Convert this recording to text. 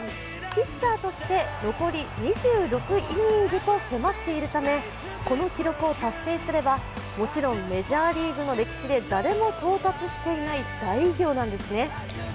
ピッチャーとして残り２６イニングと迫っているためこの記録を達成すればもちろんメジャーリーグの歴史で誰も到達していない大偉業なんですね。